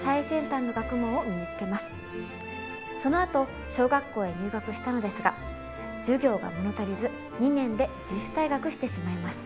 そのあと小学校へ入学したのですが授業が物足りず２年で自主退学してしまいます。